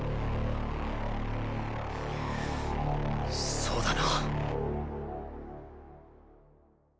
そうだな。